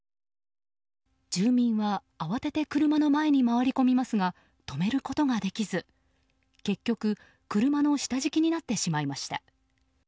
住民は慌てて車の前に回り込みますが止めることができず、結局車の下敷きになってしまいました。